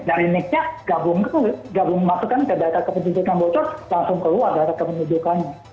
dari nicknya gabung masukkan ke data kependudukan bocor langsung keluar data kependudukannya